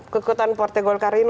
kekuatan partai golkar ini